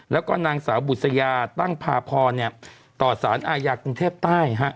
แล้วก็นางสาวบุษยาตั้งพาพรต่อสารอาญากรุงเทพใต้